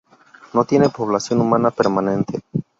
No tiene población humana permanente.